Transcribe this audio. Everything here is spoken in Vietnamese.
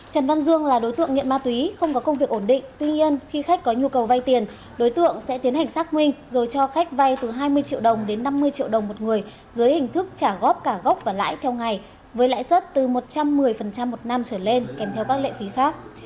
trần văn dương là đối tượng nghiện ma túy không có công việc ổn định tuy nhiên khi khách có nhu cầu vay tiền đối tượng sẽ tiến hành xác minh rồi cho khách vay từ hai mươi triệu đồng đến năm mươi triệu đồng một người dưới hình thức trả góp cả gốc và lãi theo ngày với lãi suất từ một trăm một mươi một năm trở lên kèm theo các lệ phí khác